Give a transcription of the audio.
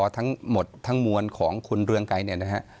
ทั้งหมดทั้งมวลของคุณเรืองไกรเนี่ยนะฮะ